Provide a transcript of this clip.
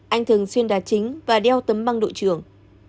anh thường xuyên đà chính và đeo tấm băng đội trưởng